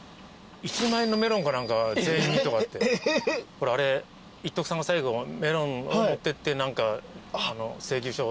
ほらあれ一徳さんが最後メロンを持ってって請求書。